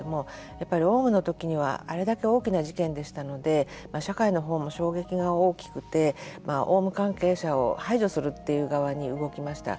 やっぱりオウムの時はあれだけ大きな事件でしたので社会のほうも衝撃が大きくてオウム関係者を排除するという側に動きました。